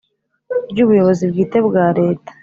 ry ubuyobozi bwite bwa Leta